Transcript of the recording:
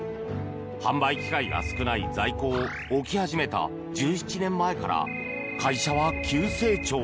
販売機会が少ない在庫を置き始めた１７年前から会社は急成長。